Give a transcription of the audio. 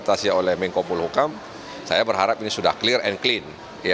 saya oleh menko polhukam saya berharap ini sudah clear and clean